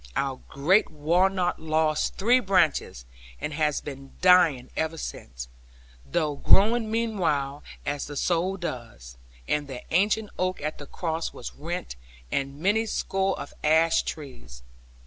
Our great walnut lost three branches, and has been dying ever since; though growing meanwhile, as the soul does. And the ancient oak at the cross was rent, and many score of ash trees.